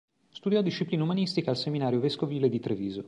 Studiò discipline umanistiche al seminario vescovile di Treviso.